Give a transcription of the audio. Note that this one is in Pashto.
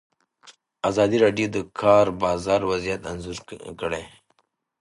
ازادي راډیو د د کار بازار وضعیت انځور کړی.